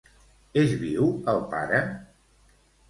És viu el pare?